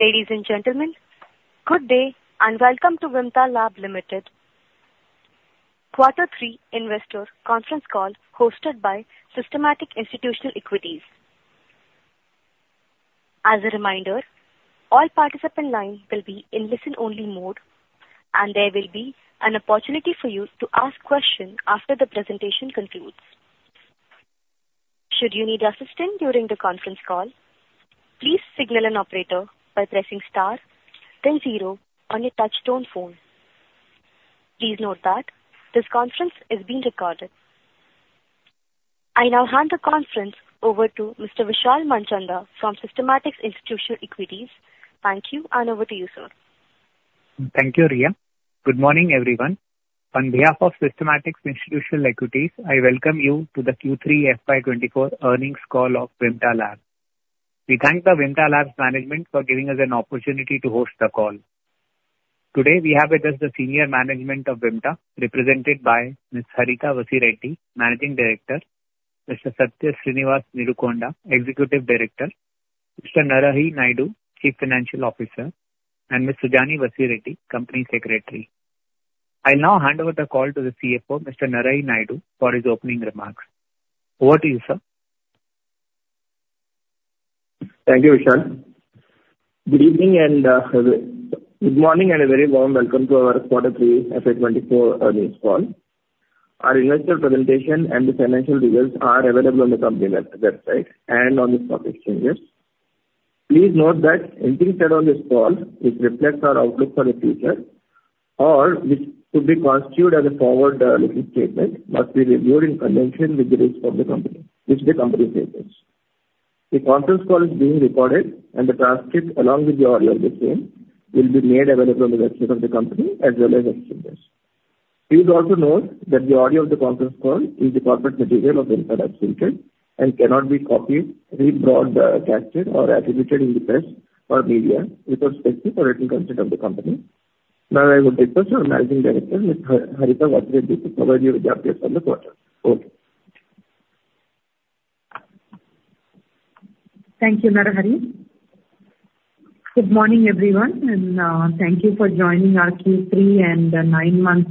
Ladies and gentlemen, good day, and welcome to VIMTA Labs Limited Quarter Three Investor Conference Call, hosted by Systematix Institutional Equities. As a reminder, all participant lines will be in listen-only mode, and there will be an opportunity for you to ask questions after the presentation concludes. Should you need assistance during the conference call, please signal an operator by pressing star then zero on your touchtone phone. Please note that this conference is being recorded. I now hand the conference over to Mr. Vishal Manchanda from Systematix Institutional Equities. Thank you, and over to you, sir. Thank you, Riya. Good morning, everyone. On behalf of Systematix Institutional Equities, I welcome you to the third quarter FY 2024 earnings call of Vimta Labs. We thank the Vimta Labs's management for giving us an opportunity to host the call. Today, we have with us the senior management of Vimta, represented by Ms. Harita Vasireddi, Managing Director, Mr. Satya Sreenivas Neerukonda, Executive Director, Mr. Narahari Naidu, Chief Financial Officer, and Ms. Sujani Vasireddi, Company Secretary. I now hand over the call to the CFO, Mr. Narahari Naidu, for his opening remarks. Over to you, sir. Thank you, Vishal. Good evening and Good morning, and a very warm welcome to our Quarter Three FY 2024 earnings call. Our investor presentation and the financial results are available on the company website and on the stock exchanges. Please note that anything said on this call, which reflects our outlook for the future, or which could be constituted as a forward looking statement, must be reviewed in conjunction with the risk of the company, which the company faces. The conference call is being recorded, and the transcript, along with the audio of the same, will be made available on the website of the company as well as exchanges. Please also note that the audio of the conference call is the corporate material of Vimta Labs Limited and cannot be copied, re-broadcasted, or attributed in the press or media without specific or written consent of the company. Now, I would request our Managing Director, Ms. Harita Vasireddi, to provide you with the updates for the quarter. Over to you. Thank you, Narahari. Good morning, everyone, and thank you for joining our third quarter and nine-month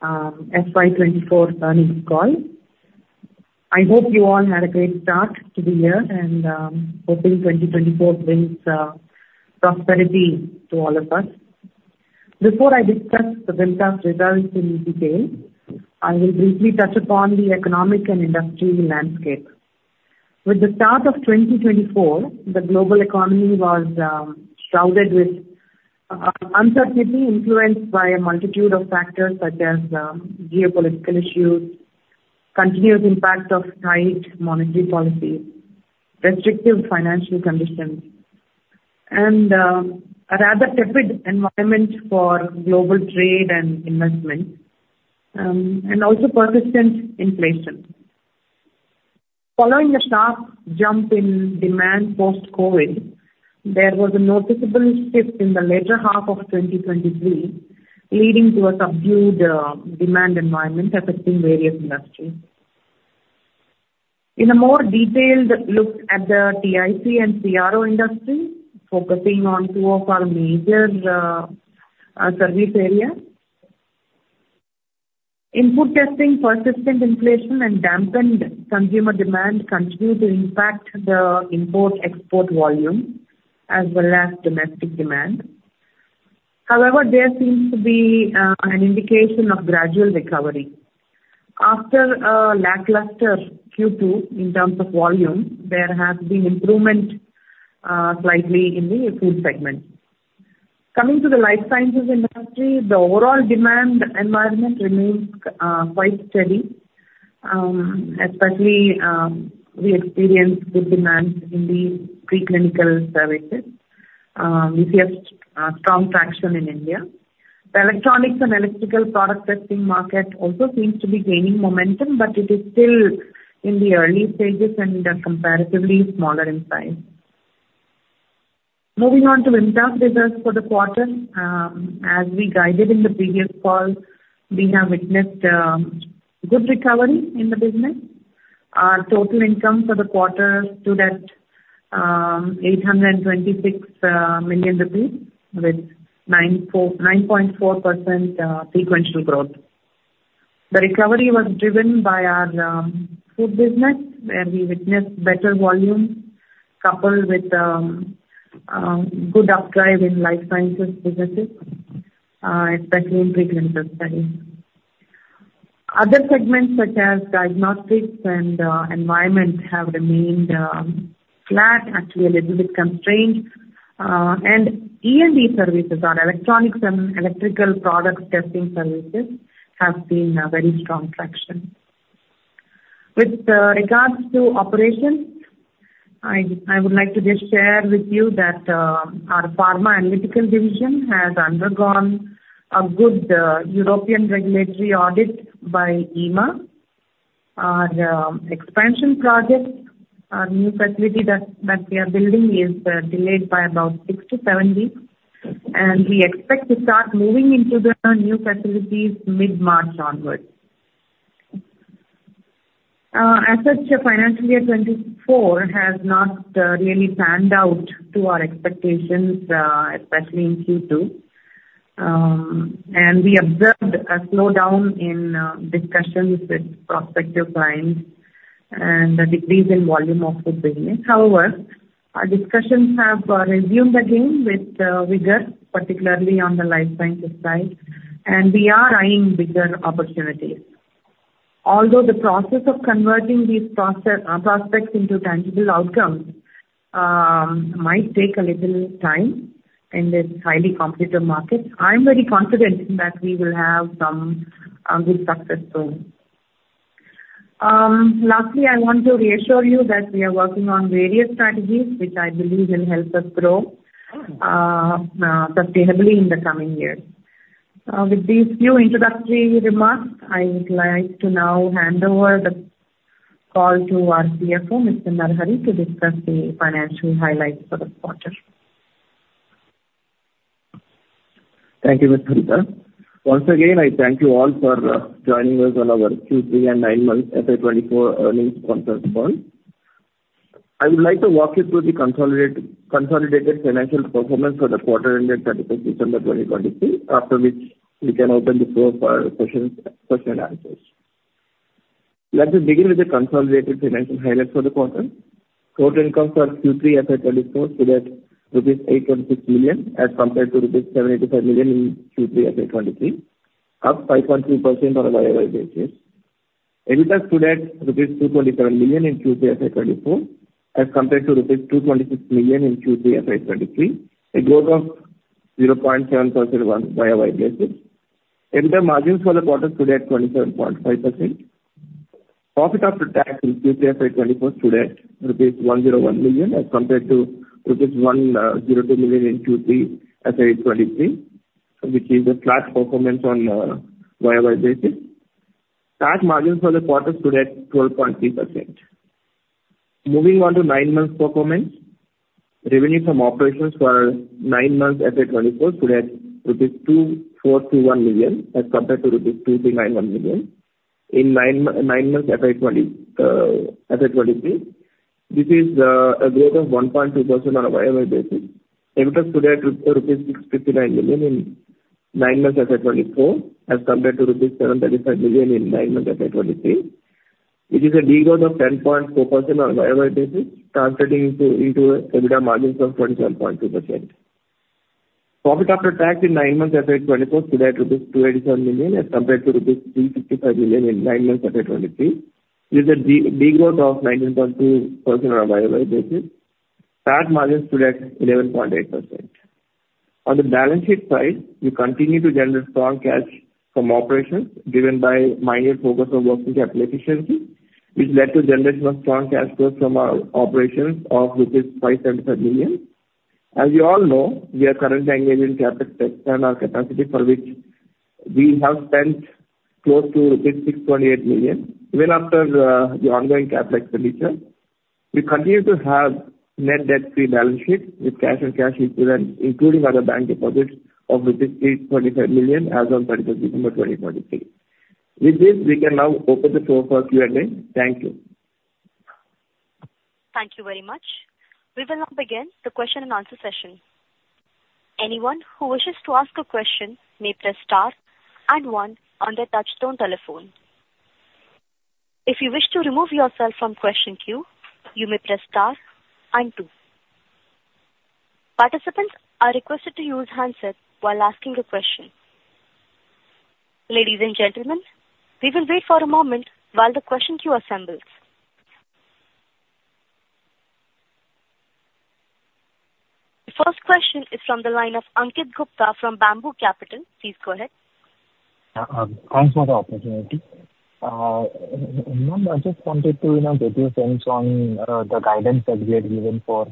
FY 2024 earnings call. I hope you all had a great start to the year, and hoping 2024 brings prosperity to all of us. Before I discuss Vimta's results in detail, I will briefly touch upon the economic and industrial landscape. With the start of 2024, the global economy was shrouded with uncertainty, influenced by a multitude of factors such as geopolitical issues, continuous impact of tight monetary policies, restrictive financial conditions, and a rather tepid environment for global trade and investment, and also persistent inflation. Following a sharp jump in demand post-COVID, there was a noticeable shift in the latter half of 2023, leading to a subdued demand environment affecting various industries. In a more detailed look at the TIC and CRO industry, focusing on two of our major service areas. Import testing, persistent inflation, and dampened consumer demand continue to impact the import/export volume as well as domestic demand. However, there seems to be an indication of gradual recovery. After a lackluster second quarter in terms of volume, there has been improvement slightly in the food segment. Coming to the life sciences industry, the overall demand environment remains quite steady, especially we experience good demand in the preclinical services, we see strong traction in India. The electronics and electrical product testing market also seems to be gaining momentum, but it is still in the early stages and are comparatively smaller in size. Moving on to Vimta's results for the quarter. As we guided in the previous call, we have witnessed good recovery in the business. Our total income for the quarter stood at 826 million rupees, with 9.4% sequential growth. The recovery was driven by our food business, where we witnessed better volumes, coupled with good upside in life sciences businesses, especially in preclinical studies. Other segments such as diagnostics and environment have remained flat, actually a little bit constrained. And E&E services or Electronics and Electrical Product Testing services have seen a very strong traction. With regards to operations, I would like to just share with you that our pharma analytical division has undergone a good European regulatory audit by EMA. Our expansion project, our new facility that we are building is delayed by about six to seven weeks, and we expect to start moving into the new facilities mid-March onwards. As such, financial year 2024 has not really panned out to our expectations, especially in second quarter. And we observed a slowdown in discussions with prospective clients and a decrease in volume of the business. However, our discussions have resumed again with vigor, particularly on the life sciences side, and we are eyeing bigger opportunities. Although the process of converting these prospects into tangible outcomes might take a little time in this highly competitive market, I'm very confident that we will have some good success story. Lastly, I want to reassure you that we are working on various strategies, which I believe will help us grow sustainably in the coming years. With these few introductory remarks, I would like to now hand over the call to our CFO, Mr. Narahari, to discuss the financial highlights for the quarter. Thank you, Ms. Harita. Once again, I thank you all for joining us on our third quarter and 9 months FY24 earnings conference call. I would like to walk you through the consolidated financial performance for the quarter ended thirty-first December, 2023, after which we can open the floor for questions and answers. Let us begin with the consolidated financial highlights for the quarter. Total income for third quarter FY24 stood at 8.6 million rupees, as compared to 785 million rupees in third quarter FY23, up 5.3% on a YOY basis. EBITDA stood at rupees 227 million in third quarter FY24, as compared to rupees 226 million in third quarter FY23, a growth of 0.7% on YOY basis. EBITDA margins for the quarter stood at 27.5%. Profit after tax in third quarter FY24 stood at rupees 101 million, as compared to rupees 102 million in third quarter FY23, which is a flat performance on a YOY basis. Tax margins for the quarter stood at 12.3%. Moving on to nine months performance. Revenue from operations for nine months FY24 stood at 2,421 million rupees, as compared to rupees 2,391 million in nine months FY23. This is a growth of 1.2% on a YOY basis. EBITDA stood at rupees 659 million in nine months FY24, as compared to rupees 735 million in nine months FY23, which is a degrowth of 10.4% on YOY basis, translating to, into a EBITDA margins of 27.2%. Profit after tax in nine months FY2024 stood at rupees 287 million, as compared to rupees 265 million in nine months FY2023, with a de-growth of 19.2% on a YOY basis. Tax margins stood at 11.8%. On the balance sheet side, we continue to generate strong cash from operations, driven by my focus on working capital efficiency, which led to generation of strong cash flows from our operations of rupees 575 million. As you all know, we are currently engaged in CapEx to expand our capacity, for which we have spent close to rupees 628 million. Even after, the ongoing CapEx expenditure, we continue to have net debt-free balance sheet with cash and cash equivalents, including other bank deposits of 825 million as on thirty-first December 2023.With this, we can now open the floor for Q&A. Thank you. Thank you very much. We will now begin the question and answer session. Anyone who wishes to ask a question may press star and one on their touchtone telephone. If you wish to remove yourself from question queue, you may press star and two. Participants are requested to use handsets while asking a question. Ladies and gentlemen, we will wait for a moment while the question queue assembles. The first question is from the line of Ankit Gupta from Bamboo Capital. Please go ahead. Thanks for the opportunity. Ma'am, I just wanted to, you know, get your sense on the guidance that we had given for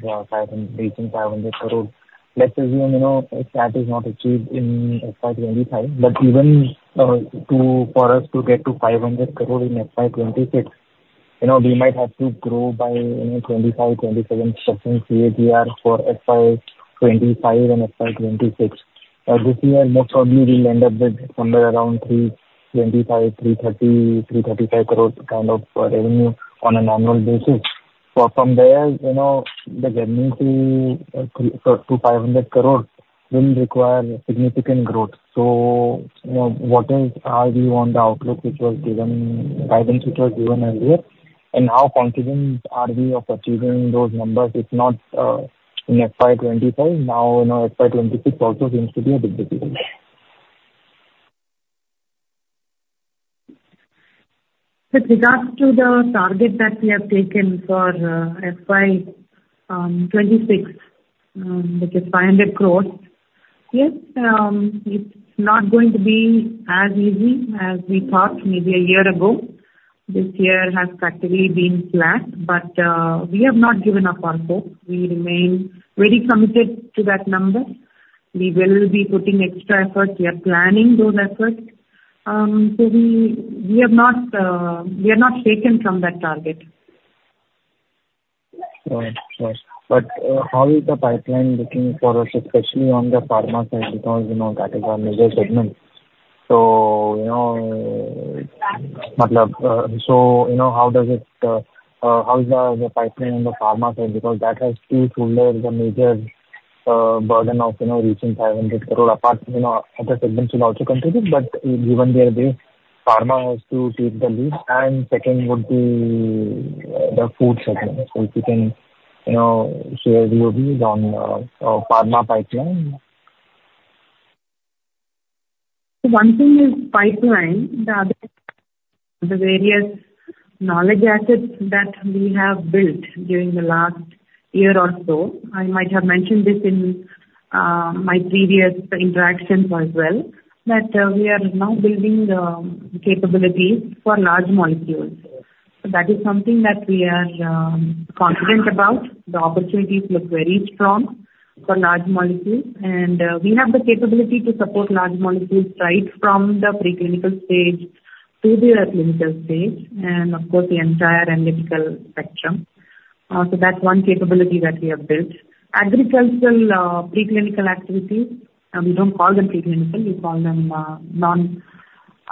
reaching 500 crore. Let's assume, you know, if that is not achieved in FY 2025, but even to... for us to get to 500 crore in FY 2026, you know, we might have to grow by, you know, 25% to 27% CAGR for FY 2025 and FY 2026. This year, most probably we'll end up with somewhere around 325 crore, 330 crore, 335 crore kind of revenue on an annual basis. So from there, you know, the getting to 300-500 crore will require significant growth. So, you know, what is- are you on the outlook, which was given, guidance which was given earlier? How confident are we of achieving those numbers, if not in FY25? Now, you know, FY26 also seems to be a bit difficult. With regards to the target that we have taken for FY 2026, which is 500 crore, yes, it's not going to be as easy as we thought maybe a year ago. This year has practically been flat, but we have not given up on hope. We remain very committed to that number. We will be putting extra effort. We are planning those efforts. So we have not, we are not shaken from that target. Right, right. But how is the pipeline looking for us, especially on the pharma side? Because, you know, that is our major segment. So, you know, so, you know, how does it, how is the pipeline on the pharma side? Because that has to shoulder the major burden of, you know, reaching 500 crore. Apart, you know, other segments will also contribute, but given their base, pharma has to take the lead and second would be the food segment. So, if you can, you know, share your views on pharma pipeline. One thing is pipeline, the other, the various knowledge assets that we have built during the last year or so. I might have mentioned this in my previous interactions as well, that we are now building the capabilities for large molecules. So that is something that we are confident about. The opportunities look very strong for large molecules, and we have the capability to support large molecules right from the preclinical stage to the clinical stage, and of course, the entire analytical spectrum. So that's one capability that we have built. Agricultural preclinical activities, we don't call them preclinical, we call them non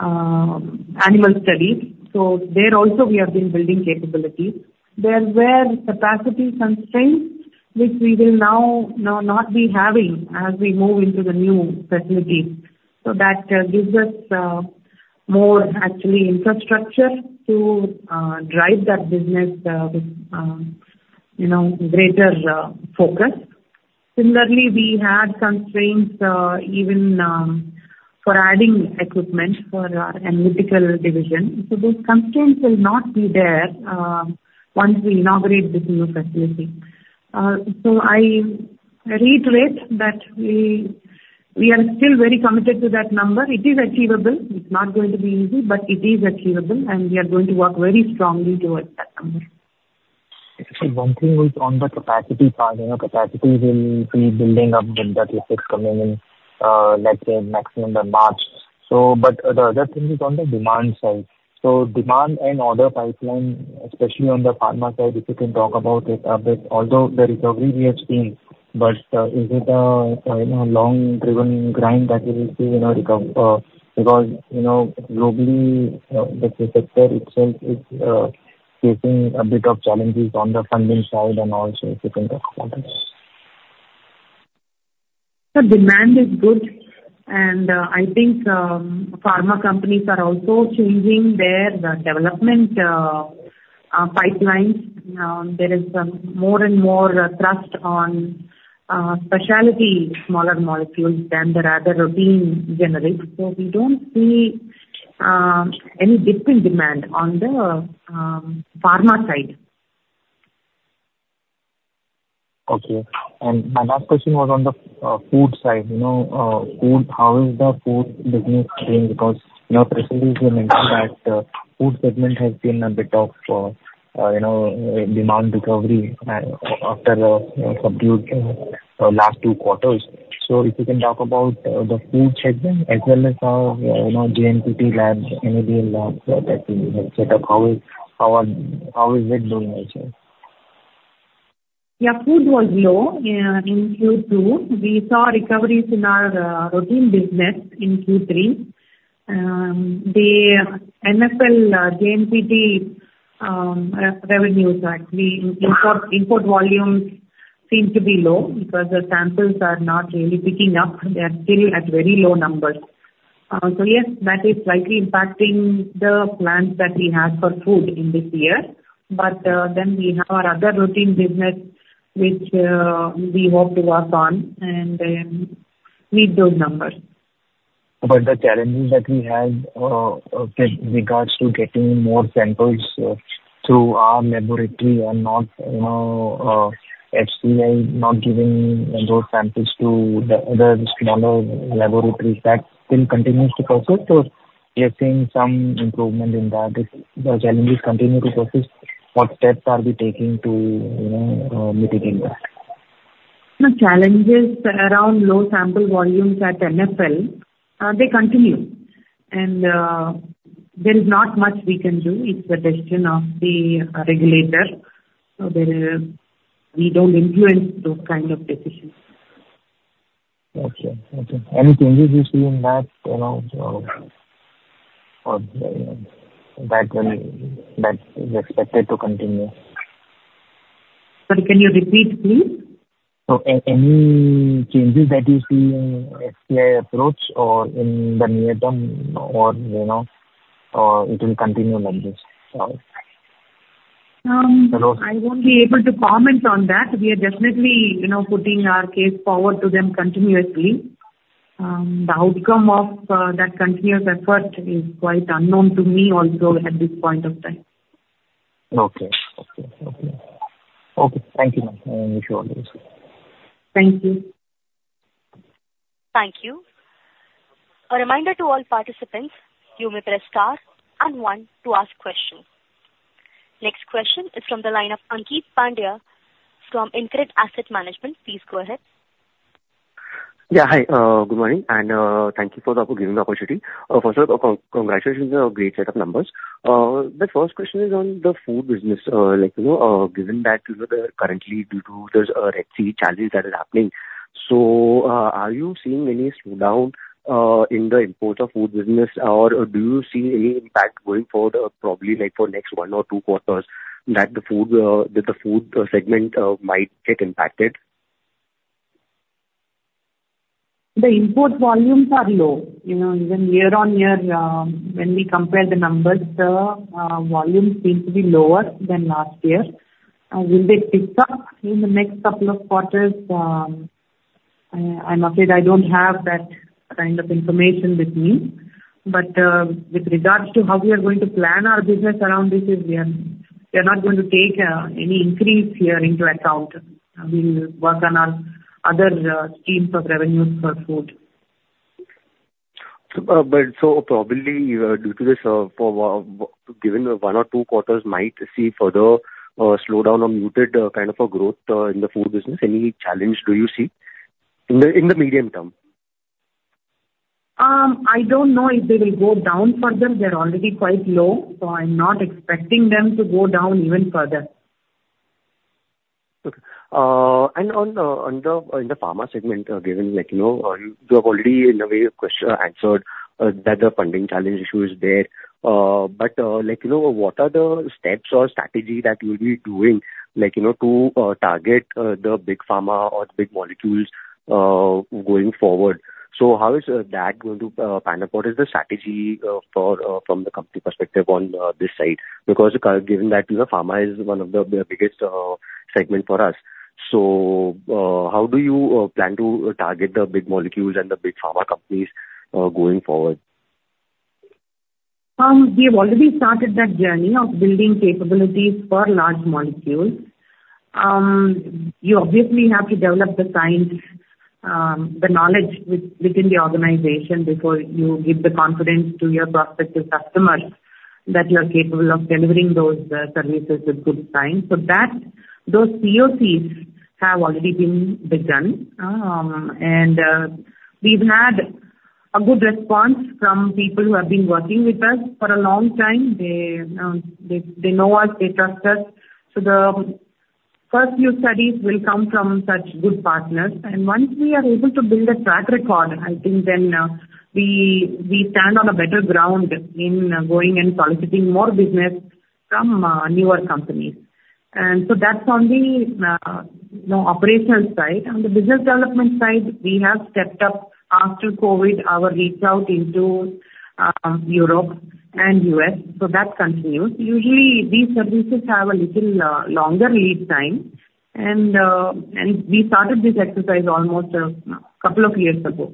animal studies. So there also we have been building capabilities. There were capacity constraints which we will now not be having as we move into the new facility. So that, gives us, more actually infrastructure to, drive that business, with, you know, greater, focus. Similarly, we had constraints, even, for adding equipment for our analytical division. So those constraints will not be there, once we inaugurate this new facility. So I reiterate that we, we are still very committed to that number. It is achievable. It's not going to be easy, but it is achievable, and we are going to work very strongly towards that number. One thing was on the capacity part, you know, capacity will be building up with the assets coming in, let's say, maximum by March. So, but the other thing is on the demand side. Demand and order pipeline, especially on the pharma side, if you can talk about it a bit. Although the recovery we have seen, but, is it a, you know, long-driven grind that we will see in our recovery, because, you know, globally, the sector itself is facing a bit of challenges on the funding side and also if you can talk about this. The demand is good, and I think pharma companies are also changing their development pipelines. There is more and more trust on specialty smaller molecules than the rather routine generics. So we don't see any different demand on the pharma side. Okay. And my last question was on the food side. You know, food, how is the food business doing? Because, you know, previously you mentioned that food segment has been a bit of, you know, demand recovery after a subdued last two quarters. So if you can talk about the food segment as well as our, you know, JNPT labs, NFL labs that we have set up. How is it doing actually? Yeah, food was low in second quarter. We saw recoveries in our routine business in third quarter. The NFL, JNPT revenues, actually, import volumes seem to be low because the samples are not really picking up. They are still at very low numbers. So yes, that is slightly impacting the plans that we have for food in this year. But then we have our other routine business, which we hope to work on and meet those numbers. But the challenges that we had, with regards to getting more samples, through our laboratory and not, you know, FCI not giving those samples to the other smaller laboratories, that still continues to persist, so we are seeing some improvement in that. If the challenges continue to persist, what steps are we taking to, you know, mitigating that? The challenges around low sample volumes at NFL, they continue, and there is not much we can do. It's the question of the regulator. So there, we don't influence those kinds of decisions. Okay. Okay. Any changes you see in that, you know, or that will, that is expected to continue? Sorry, can you repeat, please? So, any changes that you see in FCI approach or in the near term or, you know, it will continue like this? Hello. I won't be able to comment on that. We are definitely, you know, putting our case forward to them continuously. The outcome of that continuous effort is quite unknown to me also at this point of time. Okay. Okay, okay. Okay, thank you, ma'am. I appreciate it. Thank you. Thank you. A reminder to all participants, you may press Star and one to ask questions. Next question is from the line of Ankeet Pandya from InCred Asset Management. Please go ahead. Yeah. Hi, good morning, and thank you for giving the opportunity. First off, congratulations on a great set of numbers. The first question is on the food business. Like, you know, given that, you know, currently due to there is a Red Sea challenge that is happening. So, are you seeing any slowdown in the imports of food business, or do you see any impact going forward, probably like for next one or two quarters, that the food segment might get impacted? The import volumes are low. You know, even year-on-year, when we compare the numbers, the volumes seem to be lower than last year. Will they pick up in the next couple of quarters? I'm afraid I don't have that kind of information with me. But, with regards to how we are going to plan our business around this is we are, we are not going to take any increase here into account. We will work on our other streams of revenues for food. But so probably, due to this, given one or two quarters might see further slowdown or muted kind of a growth in the food business. Any challenge do you see in the medium term? I don't know if they will go down further. They are already quite low, so I'm not expecting them to go down even further. Okay. And on the pharma segment, given, like, you know, you have already in a way question-answered that the funding challenge issue is there. But, like, you know, what are the steps or strategy that you'll be doing, like, you know, to target the big pharma or the big molecules going forward? So how is that going to pan out? What is the strategy for from the company perspective on this side? Because, currently, given that, you know, pharma is one of the biggest segment for us. So, how do you plan to target the big molecules and the big pharma companies going forward? We have already started that journey of building capabilities for large molecules. You obviously have to develop the science, the knowledge within the organization before you give the confidence to your prospective customers that you are capable of delivering those, services with good science. So that, those POCs have already been begun. And we've had a good response from people who have been working with us for a long time. They, they know us, they trust us. So the first few studies will come from such good partners, and once we are able to build a track record, I think then, we stand on a better ground in going and soliciting more business from, newer companies. And so that's on the, you know, operational side. On the business development side, we have stepped up after COVID, our reach out into Europe and US, so that continues. Usually, these services have a little longer lead time, and we started this exercise almost a couple of years ago.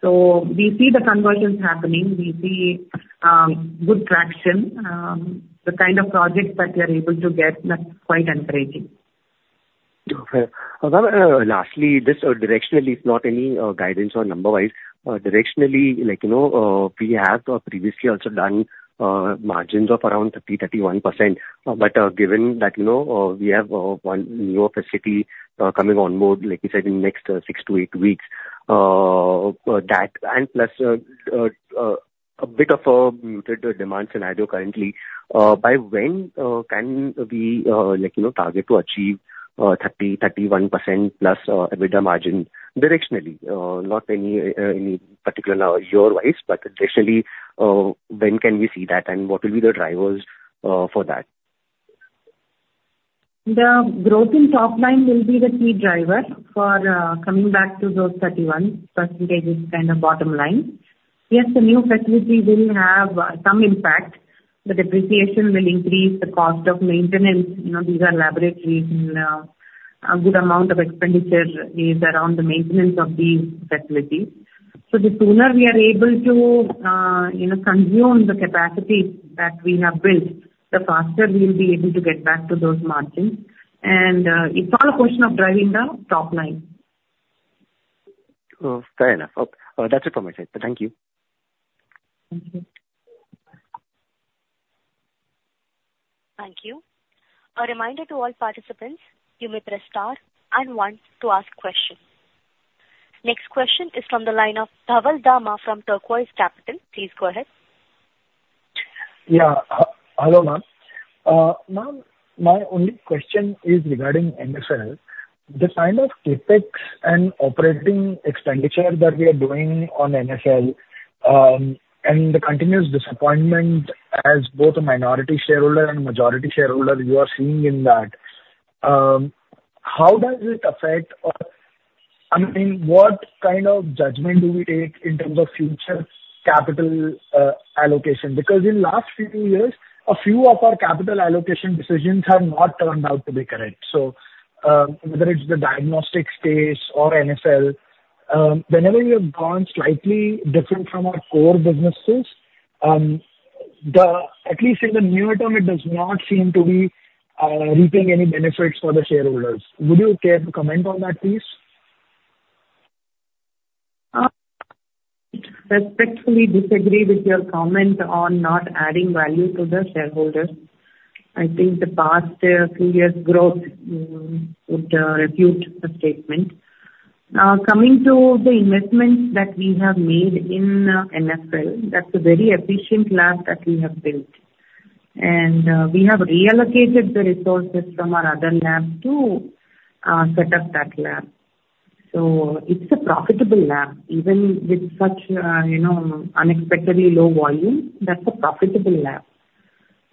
So we see the conversions happening, we see good traction. The kind of projects that we are able to get, that's quite encouraging. Okay. Ma'am, lastly, just directionally, if not any guidance or number-wise, directionally, like, you know, we have previously also done margins of around 30, 31%. But, given that, you know, we have one new facility coming on board, like you said, in the next six to eight weeks, that and plus a bit of a muted demand scenario currently, by when can we, like, you know, target to achieve 30, 31% plus EBITDA margin directionally? Not any particular year-wise, but directionally, when can we see that, and what will be the drivers for that? The growth in top line will be the key driver for coming back to those 31% kind of bottom line. Yes, the new facility will have some impact, the depreciation will increase the cost of maintenance. You know, these are laboratories, and a good amount of expenditure is around the maintenance of these facilities. So the sooner we are able to you know consume the capacity that we have built, the faster we will be able to get back to those margins. And it's all a question of driving the top line. Oh, fair enough. Okay. That's it from my side. Thank you. Thank you. Thank you. A reminder to all participants, you may press star and one to ask questions. Next question is from the line of Dhaval Dama from Turquoise Capital. Please go ahead. Yeah. Hello, ma'am. Ma'am, my only question is regarding NFL. The kind of CapEx and operating expenditure that we are doing on NFL, and the continuous disappointment as both a minority shareholder and majority shareholder you are seeing in that, how does it affect or, I mean, what kind of judgment do we take in terms of future capital allocation? Because in last few years, a few of our capital allocation decisions have not turned out to be correct. So, whether it's the diagnostic space or NFL, whenever we have gone slightly different from our core businesses, at least in the near term, it does not seem to be reaping any benefits for the shareholders. Would you care to comment on that, please? Respectfully disagree with your comment on not adding value to the shareholders. I think the past few years' growth would refute the statement. Now, coming to the investments that we have made in NFL, that's a very efficient lab that we have built. And we have reallocated the resources from our other labs to set up that lab. So it's a profitable lab. Even with such you know, unexpectedly low volume, that's a profitable lab.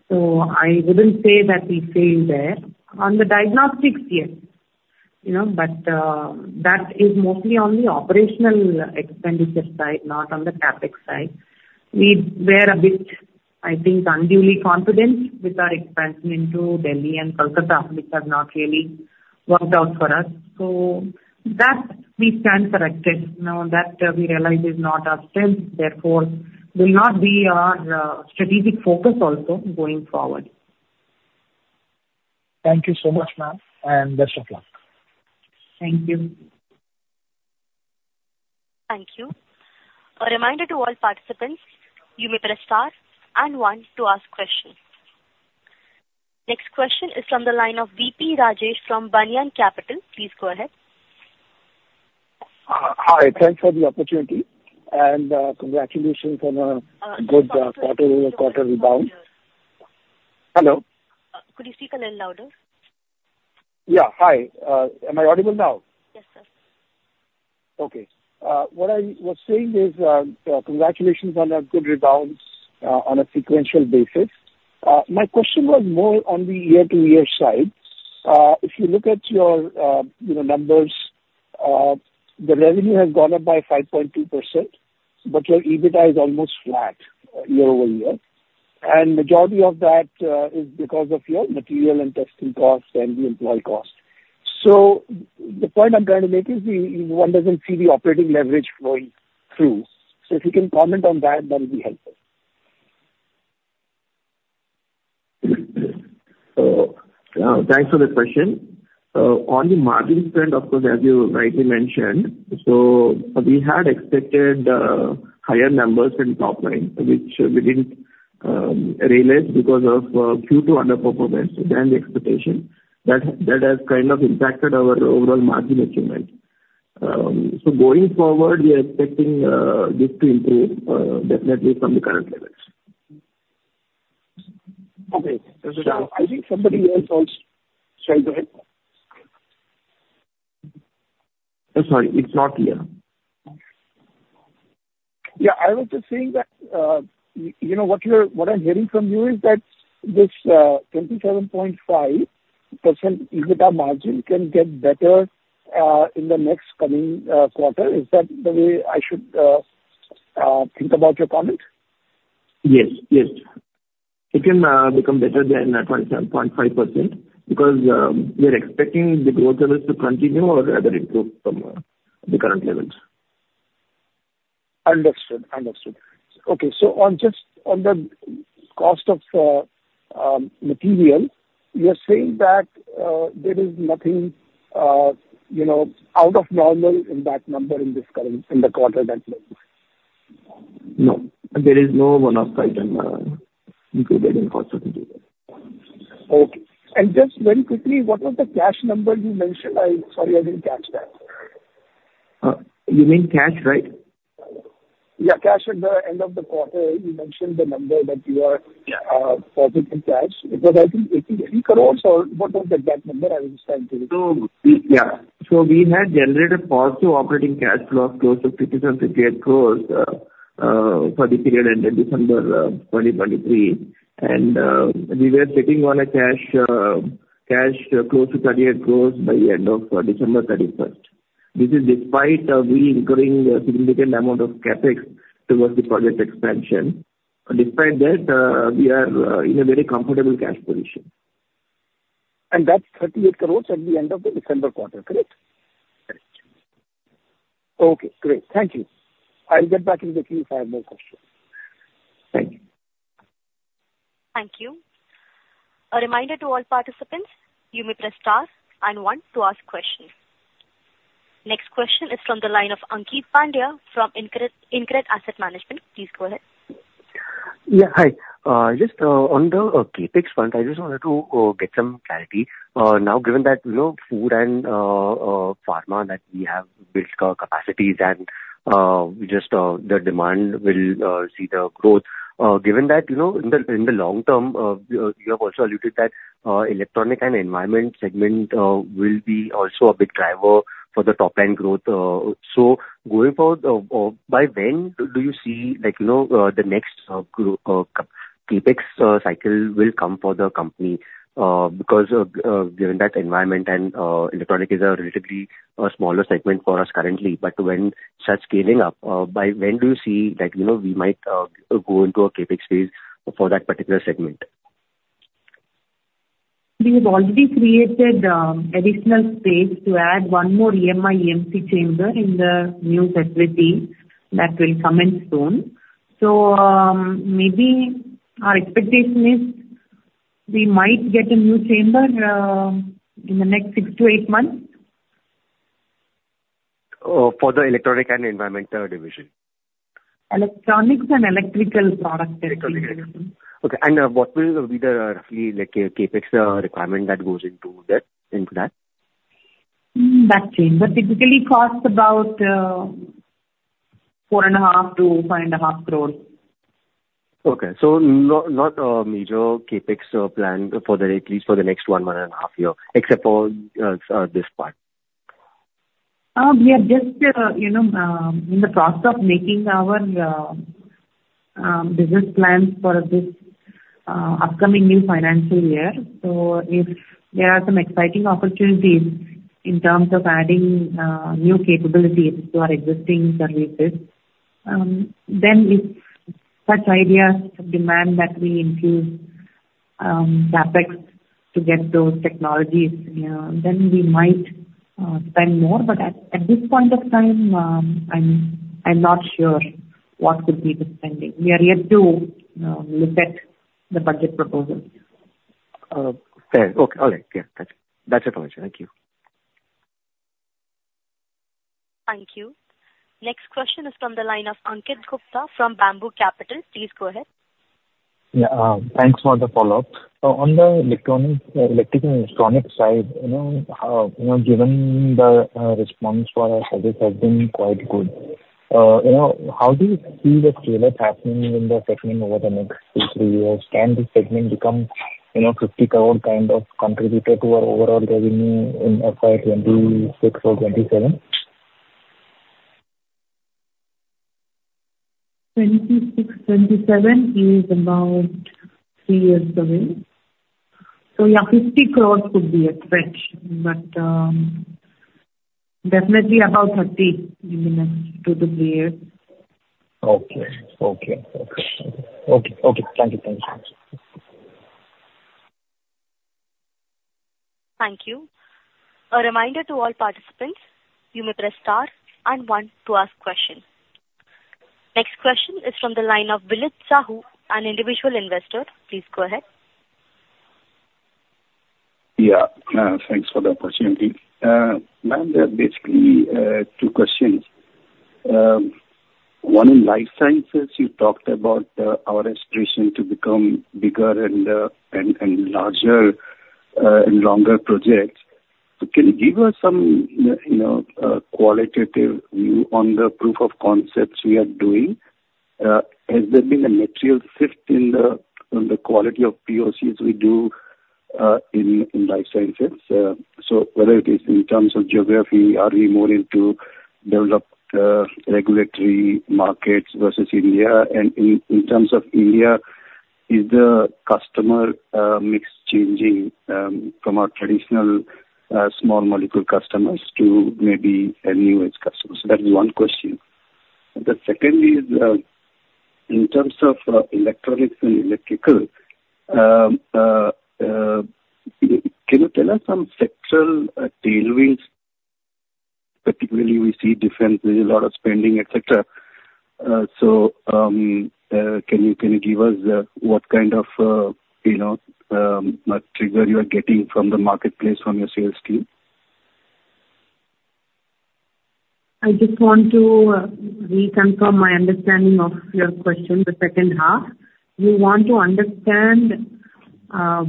So I wouldn't say that we failed there. On the diagnostics, yes, you know, but that is mostly on the operational expenditure side, not on the CapEx side. We were a bit, I think, unduly confident with our expansion into Delhi and Kolkata, which have not really worked out for us. So that we stand corrected. Now, that we realize is not our strength, therefore will not be our strategic focus also going forward. Thank you so much, ma'am, and best of luck. Thank you. Thank you. A reminder to all participants, you may press star and one to ask questions. Next question is from the line of V.P. Rajesh from Banyan Capital. Please go ahead. Hi. Thanks for the opportunity and congratulations on a good quarter-over-quarter rebound. Hello? Could you speak a little louder? Yeah. Hi. Am I audible now? Yes, sir. Okay. What I was saying is, congratulations on a good rebound on a sequential basis. My question was more on the year-to-year side. If you look at your, you know, numbers, the revenue has gone up by 5.2%, but your EBITDA is almost flat year-over-year, and majority of that is because of your material and testing costs and the employee costs. So the point I'm trying to make is one doesn't see the operating leverage flowing through. So if you can comment on that, that would be helpful. Thanks for the question. On the margins front, of course, as you rightly mentioned, so we had expected higher numbers in top line, which we didn't realize because of second quarter underperformance and the expectation. That has kind of impacted our overall margin achievement. So going forward, we are expecting this to improve definitely from the current levels. Okay. So I think somebody else also said that. Sorry, it's not clear. Yeah, I was just saying that, you know, what I'm hearing from you is that this 27.5% EBITDA margin can get better in the next coming quarter. Is that the way I should think about your comment? Yes, yes. It can become better than 27.5%, because we are expecting the growth levels to continue or rather improve from the current levels. Understood. Understood. Okay, so on just on the cost of material, you are saying that there is nothing, you know, out of normal in that number in this current in the quarter that went? No, there is no one-off item, included in cost of material. Okay. Just very quickly, what was the cash number you mentioned? Sorry, I didn't catch that. You mean cash, right? Yeah, cash at the end of the quarter. You mentioned the number that you are positive in cash. It was, I think, 88 crore, or what was the exact number? I was trying to... So we had generated positive operating cash flow of close to 57 to 58 crore for the period ending December 2023. And we were sitting on a cash close to 38 crore by the end of December 31. This is despite we incurring a significant amount of CapEx towards the project expansion. Despite that, we are in a very comfortable cash position. That's 38 crore at the end of the December quarter, correct? Correct. Okay, great. Thank you. I'll get back in the queue if I have more questions. Thank you. Thank you. A reminder to all participants, you may press star and one to ask questions. Next question is from the line of Ankeet Pandya from InCred Asset Management. Please go ahead. Yeah, hi. Just on the CapEx front, I just wanted to get some clarity. Now, given that, you know, food and pharma, that we have built our capacities and we just the demand will see the growth. Given that, you know, in the long term, you have also alluded that electronic and environment segment will be also a big driver for the top line growth. So going forward, by when do you see, like, you know, the next CapEx cycle will come for the company? Because, given that environment and electronic is a relatively a smaller segment for us currently, but when such scaling up, by when do you see that, you know, we might go into a CapEx phase for that particular segment? We have already created additional space to add one more EMI/EMC chamber in the new facility that will come in soon. So, we might get a new chamber in the next six to eight months. For the electronic and environmental division? Electronics and electrical product. Electrical, okay. And, what will be the roughly, like, CapEx requirement that goes into that, into that? That changes, but typically costs about 4.5 crore-5.5 crore. Okay. So not a major CapEx plan, at least for the next 1.5 year, except for this part. We are just, you know, in the process of making our business plans for this upcoming new financial year. So if there are some exciting opportunities in terms of adding new capabilities to our existing services, then if such ideas demand that we increase CapEx to get those technologies, yeah, then we might spend more. But at this point of time, I'm not sure what could be the spending. We are yet to look at the budget proposals. Fair. Okay. All right. Yeah. That's, that's it for me. Thank you. Thank you. Next question is from the line of Ankit Gupta from Bamboo Capital. Please go ahead. Yeah, thanks for the follow-up. So on the electronics, electric and electronics side, you know, you know, given the response for our service has been quite good. You know, how do you see the scale-up happening in the segment over the next two to three years? Can this segment become, you know, 50 crore kind of contributor to our overall revenue in FY 2026 or 2027? 26, 27 is about 3 years away. So, yeah, 50 crore could be a stretch, but definitely about 30 crore in the next two to three years. Okay. Okay. Okay. Okay, okay. Thank you. Thank you. Thank you. A reminder to all participants, you may press star and one to ask questions. Next question is from the line of Viraj Sahu, an individual investor. Please go ahead. Yeah, thanks for the opportunity. Ma'am, there are basically two questions. One, in life sciences, you talked about our aspiration to become bigger and larger and longer projects. So can you give us some, you know, qualitative view on the proof of concepts we are doing? Has there been a material shift in the quality of POCs we do in life sciences? So whether it is in terms of geography, are we more into developed regulatory markets versus India? And in terms of India, is the customer mix changing from our traditional small molecule customers to maybe a new age customers? That is one question. The second is, in terms of electronics and electrical, can you tell us some sectoral tailwinds? Particularly, we see defense, there's a lot of spending, et cetera. So, can you, can you give us what kind of, you know, trigger you are getting from the marketplace, from your sales team? I just want to reconfirm my understanding of your question, the second half. You want to understand,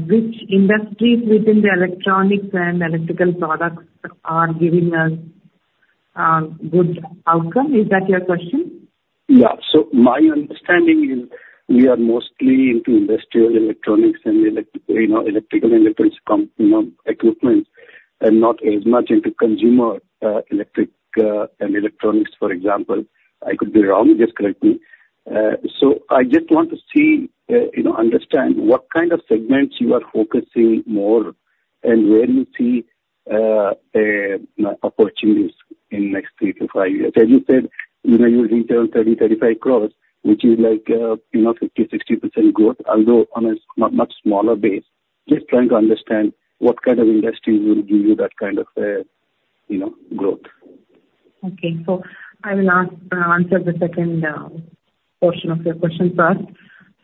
which industries within the electronics and electrical products are giving us, good outcome? Is that your question? Yeah. So my understanding is we are mostly into industrial electronics and electric, you know, electrical and electronics equipment, and not as much into consumer, electric, and electronics, for example. I could be wrong, just correct me. So I just want to see, you know, understand what kind of segments you are focusing more, and where you see, you know, opportunities in next three to five years. As you said, you know, you return 30 to 35 crores, which is like, you know, 50% to 60% growth, although on a much, much smaller base. Just trying to understand what kind of industries will give you that kind of, you know, growth. Okay. So I will answer the second portion of your question first.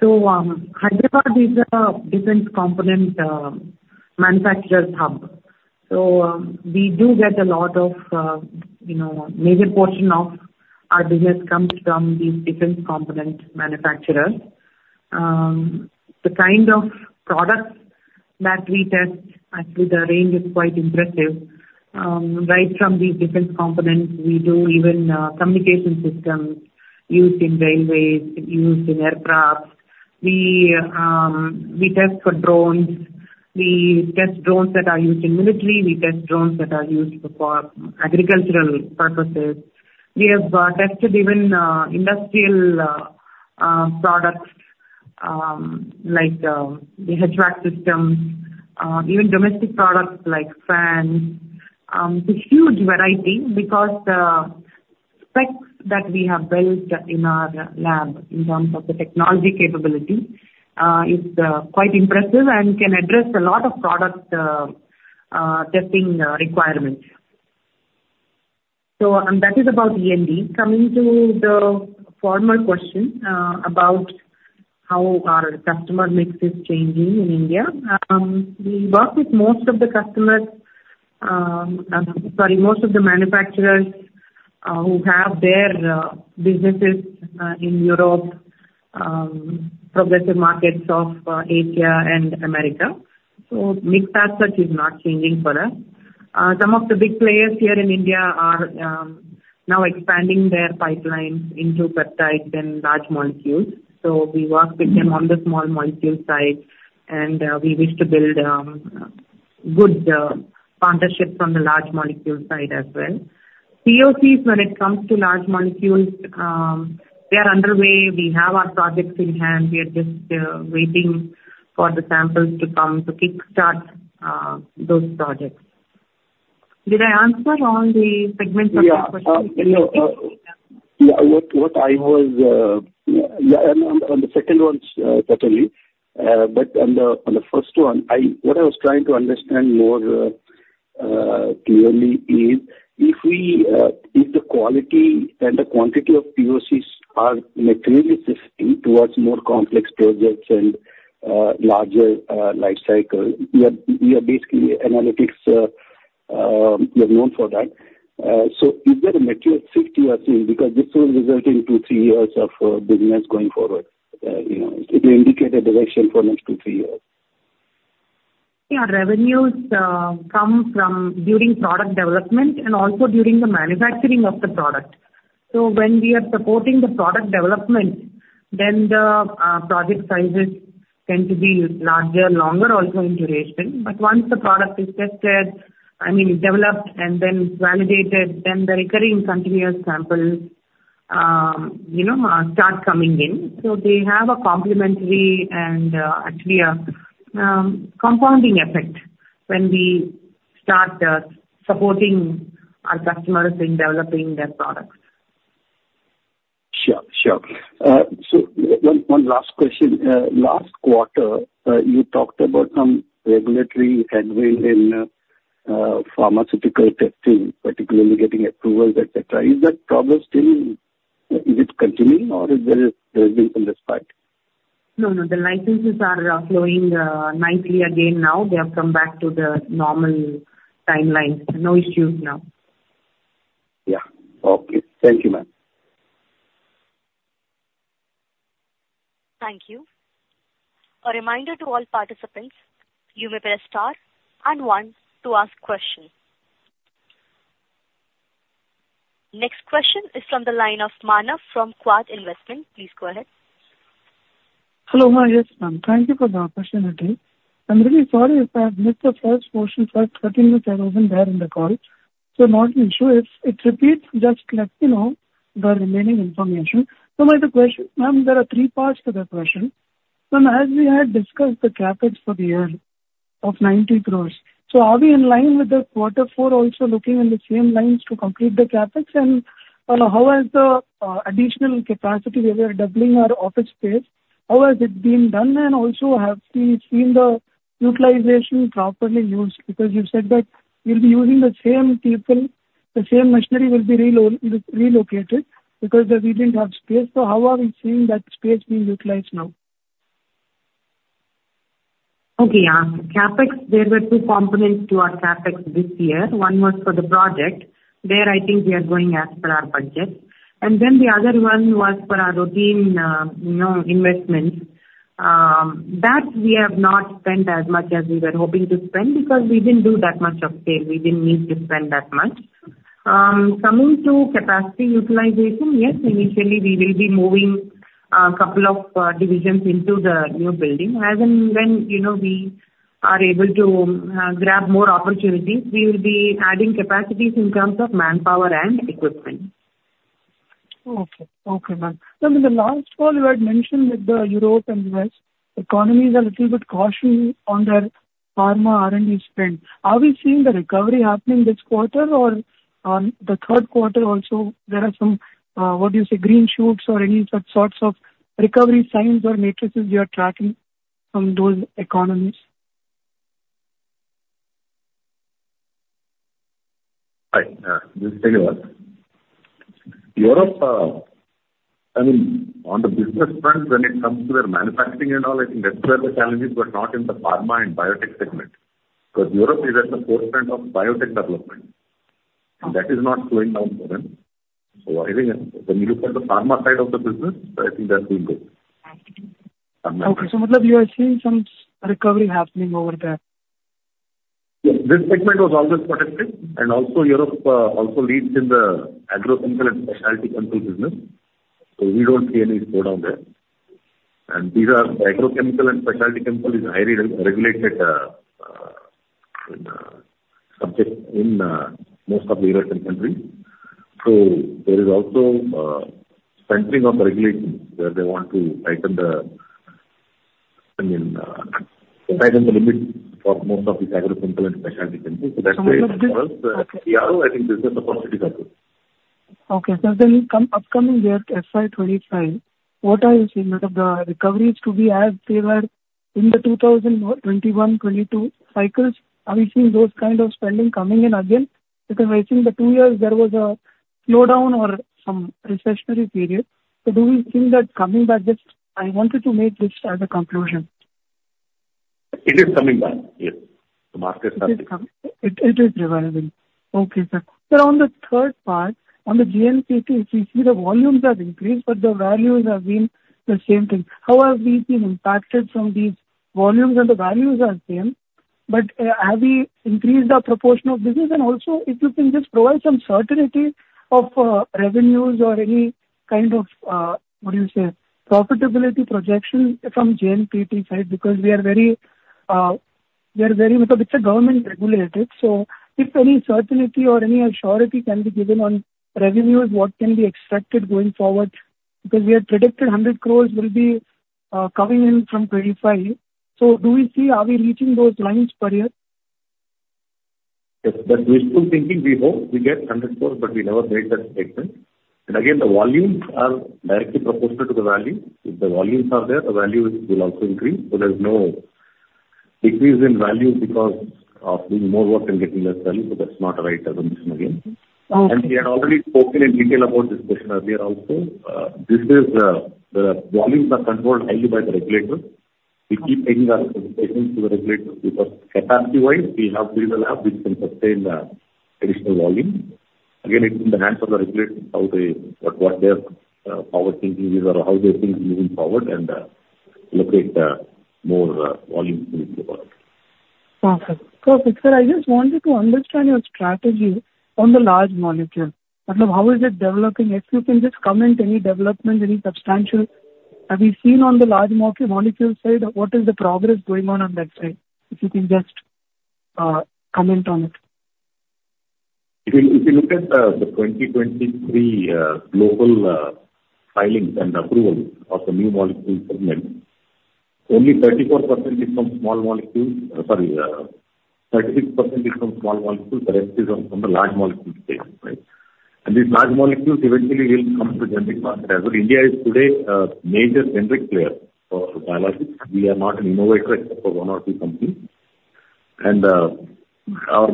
So, Hyderabad is a defense component manufacturer hub. So, we do get a lot of, you know, major portion of our business comes from these defense component manufacturers. The kind of products that we test, actually, the range is quite impressive. Right from these defense components, we do even communication systems used in railways, used in aircraft. We, we test for drones. We test drones that are used in military. We test drones that are used for agricultural purposes. We have tested even industrial products like the HVAC systems, even domestic products like fans. It's a huge variety because the specs that we have built in our lab, in terms of the technology capability, is quite impressive and can address a lot of product testing requirements. So, that is about EMI. Coming to the former question about how our customer mix is changing in India. We work with most of the customers, sorry, most of the manufacturers who have their businesses in Europe, progressive markets of Asia and America. So mix as such is not changing for us. Some of the big players here in India are now expanding their pipelines into peptides and large molecules. So we work with them on the small molecule side, and we wish to build good partnerships on the large molecule side as well. POCs, when it comes to large molecules, they are underway. We have our projects in hand. We are just waiting for the samples to come to kick-start those projects. Did I answer on the segment of the question? Yeah. You know, yeah, what I was, yeah, on the second one, totally. But on the first one, I... What I was trying to understand more clearly is, if the quality and the quantity of POCs are materially shifting towards more complex projects and larger life cycle, we are basically analytics, we are known for that. So is there a material shift you are seeing? Because this will result into three years of business going forward. You know, it will indicate a direction for next to three years. Yeah. Revenues come from during product development and also during the manufacturing of the product. So when we are supporting the product development, then the project sizes tend to be larger, longer also in duration. But once the product is tested, I mean, developed and then validated, then the recurring continuous samples, you know, start coming in. So they have a complementary and actually a compounding effect when we start supporting our customers in developing their products. Sure, sure. So one last question. Last quarter, you talked about some regulatory headwind in pharmaceutical testing, particularly getting approvals, et cetera. Is that progress still, is it continuing or is there a delay in this part? No, no, the licenses are flowing nicely again now. They have come back to the normal timelines. No issues now. Yeah. Okay. Thank you, ma'am. Thank you. A reminder to all participants, you may press star and one to ask questions. Next question is from the line of Manav from Quad Investment. Please go ahead. Hello. Hi, yes, ma'am. Thank you for the opportunity. I'm really sorry if I have missed the first portion. For 30 minutes, I wasn't there in the call, so not sure if it repeats, just let me know the remaining information. So my other question, ma'am, there are three parts to the question. Ma'am, as we had discussed the CapEx for the year of 90 crore, so are we in line with the quarter four, also looking in the same lines to complete the CapEx? And, how is the additional capacity, we are doubling our office space, how has it been done? And also, have we seen the utilization properly used? Because you said that you'll be using the same people, the same machinery will be relocated, because we didn't have space. So how are we seeing that space being utilized now? Okay. Yeah. CapEx, there were two components to our CapEx this year. One was for the project, where I think we are going as per our budget. And then the other one was for our routine, you know, investments that we have not spent as much as we were hoping to spend, because we didn't do that much of sale. We didn't need to spend that much. Coming to capacity utilization, yes, initially we will be moving, couple of, divisions into the new building. As and when, you know, we are able to, grab more opportunities, we will be adding capacities in terms of manpower and equipment. Okay. Okay, ma'am. Now, in the last call, you had mentioned that the Europe and US economies are little bit cautious on their pharma R&D spend. Are we seeing the recovery happening this quarter? Or on the third quarter also, there are some, what do you say, green shoots or any such sorts of recovery signs or metrics you are tracking from those economies? Hi, this is Sridhar. Europe, I mean, on the business front, when it comes to their manufacturing and all, I think that's where the challenges were, not in the pharma and biotech segment. Because Europe is at the forefront of biotech development, and that is not slowing down for them. So I think when you look at the pharma side of the business, I think that's been good. Okay. So you are seeing some recovery happening over there? Yes, this segment was always protected, and also Europe also leads in the agrochemical and specialty chemical business, so we don't see any slowdown there. And these are, the agrochemical and specialty chemical is a highly regulated subject in most of the European countries. So there is also stringency of the regulations, where they want to tighten the, I mean, tighten the limits for most of these agrochemical and specialty chemicals. So that's why, yeah, I think this is a positive outcome. Okay, sir, then come upcoming year, FY 25, what are you seeing that the recovery is to be as they were in the 2021, 2022 cycles? Are we seeing those kind of spending coming in again? Because I think the two years there was a slowdown or some recessionary period. So do we think that coming back, just I wanted to make this as a conclusion. It is coming back. Yes. The markets are... It is reviving. Okay, sir. Sir, on the third part, on the JNPT, we see the volumes have increased, but the values have been the same thing. How have we been impacted from these volumes and the values are same, but have we increased our proportion of business? And also, if you can just provide some certainty of revenues or any kind of, what do you say, profitability projection from JNPT side, because we are very, we are very, because it's a government regulated, so if any certainty or any assurance can be given on revenues, what can be expected going forward? Because we had predicted 100 crore will be coming in from 2025. So do we see—are we reaching those lines per year? Yes, that wishful thinking, we hope we get 100 crore, but we never made that statement. And again, the volumes are directly proportional to the value. If the volumes are there, the value will also increase, so there's no decrease in value because of doing more work and getting less value, so that's not a right assumption again. Okay. We had already spoken in detail about this question earlier also. This is, the volumes are controlled highly by the regulator. We keep making our statements to the regulator, because capacity-wise, we have built a lab which can sustain the additional volume. Again, it's in the hands of the regulator, how they, what, what their, forward thinking is or how they're thinking moving forward and, allocate, more, volume into the product. Okay. So, sir, I just wanted to understand your strategy on the large molecule. I mean, how is it developing? If you can just comment, any development, any substantial... Have you seen on the large molecule side, what is the progress going on on that side? If you can just comment on it. If you look at the 2023 global filings and approvals of the new molecule segment, only 34% is from small molecules, sorry, 36% is from small molecules, the rest is from the large molecule space, right? And these large molecules eventually will come to generic market as well. India is today a major generic player for biologics. We are not an innovator except for one or two companies. And our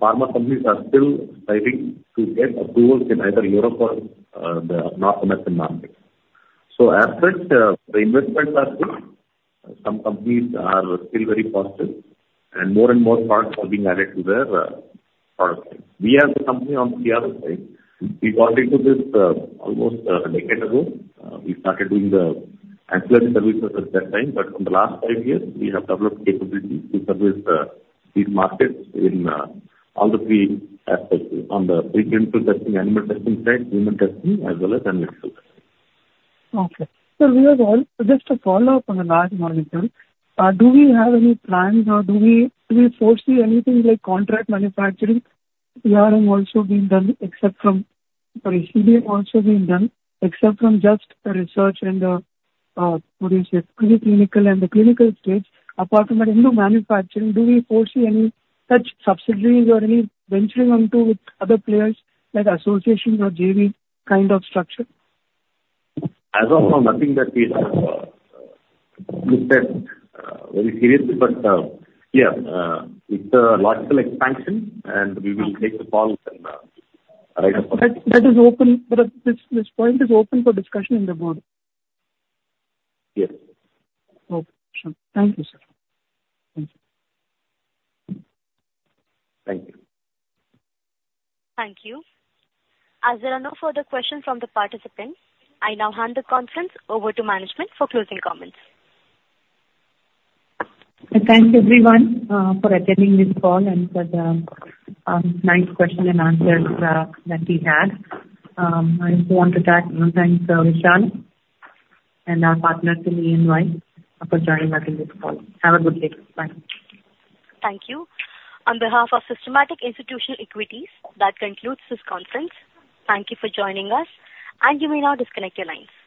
pharma companies are still striving to get approvals in either Europe or the North American market. So as such, the investments are good. Some companies are still very positive, and more and more products are being added to their product line. We as a company on the other side, we got into this almost a decade ago. We started doing the ancillary services at that time, but in the last five years, we have developed capabilities to service these markets in all the three aspects, on the preclinical testing, animal testing side, human testing, as well as analytics. Okay. Sir, we have all... Just a follow-up on the large molecule. Do we have any plans or do we, do we foresee anything like contract manufacturing? CRM also being done except from, sorry, CDM also being done, except from just the research and, what do you say, preclinical and the clinical stage. Apart from that, into manufacturing, do we foresee any such subsidiaries or any venturing onto with other players, like associations or JV kind of structure? As of now, nothing that we have looked at very seriously. But yeah, it's a logical expansion, and we will make the call and write a call. That is open. But this point is open for discussion in the board. Yes. Okay. Sure. Thank you, sir. Thank you. Thank you. Thank you. As there are no further questions from the participants, I now hand the conference over to management for closing comments. Thanks, everyone, for attending this call and for the nice question and answers that we had. I also want to thank Vishal and our partners in EY for joining us in this call. Have a good day. Bye. Thank you. On behalf of Systematix Institutional Equities, that concludes this conference. Thank you for joining us, and you may now disconnect your lines.